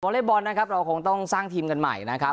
เล่นบอลนะครับเราคงต้องสร้างทีมกันใหม่นะครับ